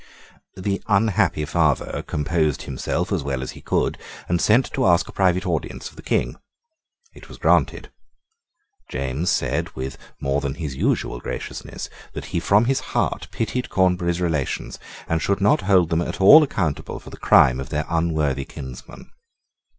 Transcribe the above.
The unhappy father composed himself as well as he could, and sent to ask a private audience of the King. It was granted. James said, with more than his usual graciousness, that he from his heart pitied Cornbury's relations, and should not hold them at all accountable for the crime of their unworthy kinsman.